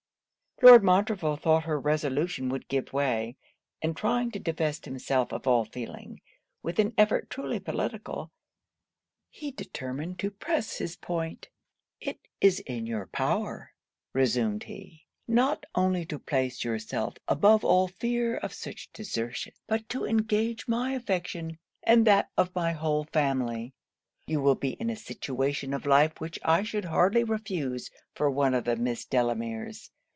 Lord Montreville thought her resolution would give way; and trying to divest himself of all feeling, with an effort truly political, he determined to press his point. 'It is in your power,' resumed he, 'not only to place yourself above all fear of such desertion, but to engage my affection and that of my whole family. You will be in a situation of life which I should hardly refuse for one of the Miss Delameres.